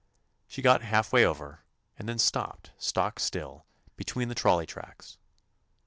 She got half way over and then stopped stock still between the trol ley tracks.